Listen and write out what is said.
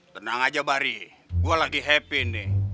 tenang aja bari gue lagi happy nih